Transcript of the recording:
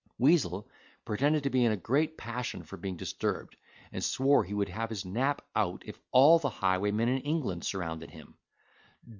Weazel pretended to be in a great passion for being disturbed, and swore he would have his nap out if all the highwaymen in England surrounded him.